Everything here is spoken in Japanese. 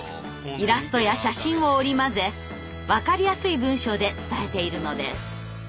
イラストや写真を織り交ぜわかりやすい文章で伝えているのです。